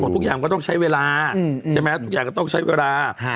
ทุกอย่างก็ต้องใช้เวลาใช่ไหมทุกอย่างก็ต้องใช้เวลา